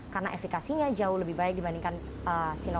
karena efekasinya jauh lebih baik dibandingkan sinovac